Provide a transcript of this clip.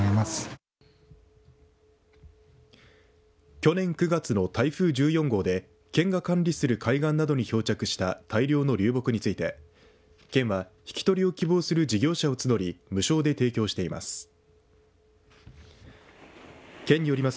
去年９月の台風１４号で県が管理する海岸などに漂着した大量の流木について県は引き取りを希望する事業者を募り無償で提供しています。